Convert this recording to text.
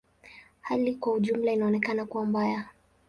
Hali kwa ujumla inaonekana kuwa mbaya.